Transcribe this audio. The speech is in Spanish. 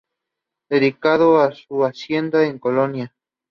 Dedicado a su hacienda en Colina.